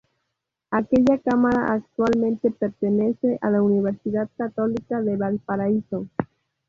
Aquella cámara actualmente pertenece a la Universidad Católica de Valparaíso.